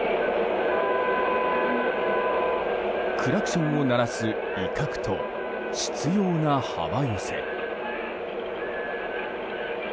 クラクションを鳴らす威嚇と執拗な幅寄せ。